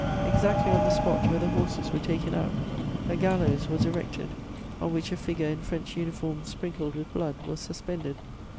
Exactly on the spot where the horses were taken out, a gallows was erected, on which a figure in French uniform, sprinkled with blood, was suspended.